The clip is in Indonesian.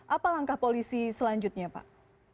apa langkah polisi selanjutnya pak